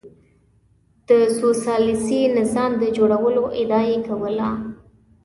د سوسیالیستي نظام د جوړولو ادعا یې کوله.